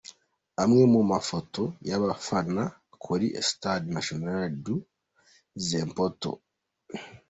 Amwe mu mafoto y’abafana kuri Estádio Nacional do Zimpeto.